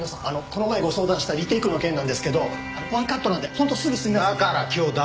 この前相談したリテイクの件なんですけどワンカットなんで本当すぐ済みますんで。